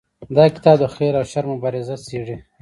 دا کتاب د خیر او شر مبارزه څیړي.